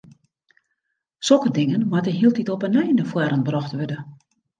Sokke dingen moatte hieltyd op 'e nij nei foaren brocht wurde.